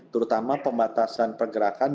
terutama pembatasan pergerakan